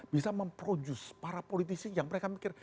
bisa memproduce para politisi yang mereka mikir